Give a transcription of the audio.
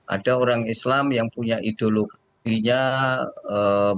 ada orang islam yang beragama yahudi itu kan kaitan dengan ideologi